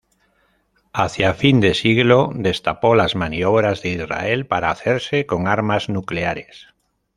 Hacia fin de siglo, destapó las maniobras de Israel para hacerse con armas nucleares.